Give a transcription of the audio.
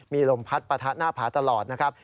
มีลมพัดปะทะหน้าผาตลอดนะครับ